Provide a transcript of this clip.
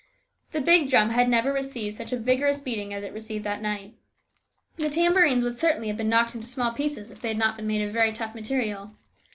The big drum had never received such a vigorous beating as it received that night. The tambourines would certainly have been knocked into small pieces if they had not been made of very tough material.